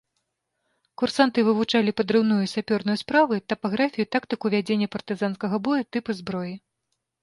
Курсанты вывучалі падрыўную і сапёрную справы, тапаграфію, тактыку вядзення партызанскага бою, тыпы зброі.